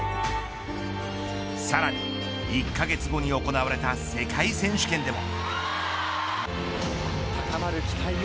さらに、１カ月後に行われた世界選手権でも。